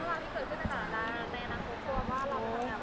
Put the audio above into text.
แต่งนั้นเรารับงานเก่าในการทำงานค่ะ